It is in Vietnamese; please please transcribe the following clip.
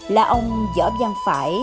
là ông giở văn phải